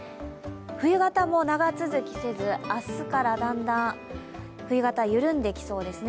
冬型も長続きせず、明日からだんだん冬型、緩んできそうですね。